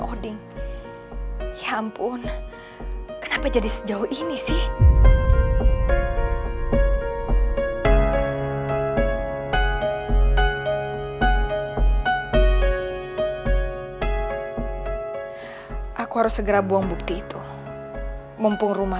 hoding ya ampun kenapa jadi sejauh ini sih aku harus segera buang bukti itu mumpung rumah